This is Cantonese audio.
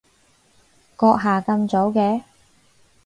閣下咁早嘅？